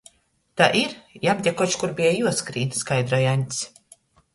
"Tai ir, jam te koč kur beja juoskrīn," skaidroj Aņds.